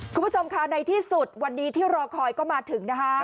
คุณผู้ชมค่ะในที่สุดวันนี้ที่รอคอยก็มาถึงนะคะ